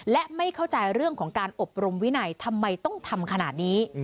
และไม่เข้าใจเรื่องของการอบรมวินัยทำไมต้องทำขนาดนี้